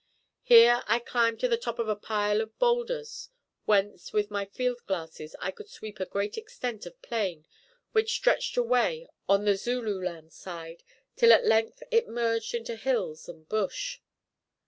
Here I climbed to the top of a pile of boulders, whence with my field glasses I could sweep a great extent of plain which stretched away on the Zululand side till at length it merged into hills and bush.